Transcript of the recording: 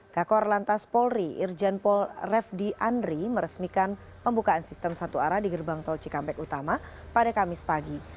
kakor lantas polri irjen pol refdi andri meresmikan pembukaan sistem satu arah di gerbang tol cikampek utama pada kamis pagi